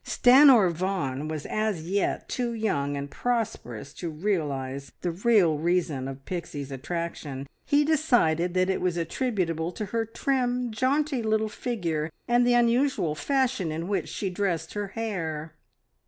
Stanor Vaughan was as yet too young and prosperous to realise the real reason of Pixie's attraction. He decided that it was attributable to her trim, jaunty little figure and the unusual fashion in which she dressed her hair.